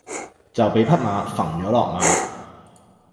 就畀匹馬揈咗落馬